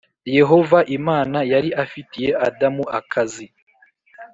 yehova imana yari afitiye adamu akazi.